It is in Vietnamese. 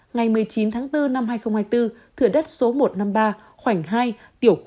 ngày một mươi chín tháng bốn năm hai nghìn hai mươi bốn thửa đất số một trăm năm mươi ba khoảnh hai